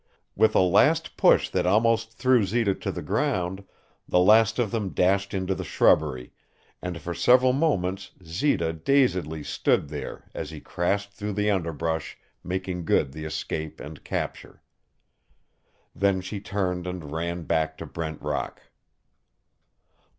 With a last push that almost threw Zita to the ground, the last of them dashed into the shrubbery, and for several moments Zita dazedly stood there as he crashed through the underbrush, making good the escape and capture. Then she turned and ran back to Brent Rock.